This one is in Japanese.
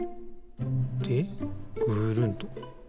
でぐるんと。